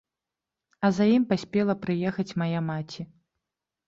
А за ім паспела прыехаць мая маці.